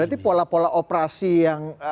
berarti pola pola operasi yang